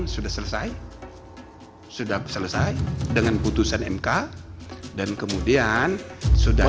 sudah selesai sudah selesai dengan putusan mk dan kemudian sudah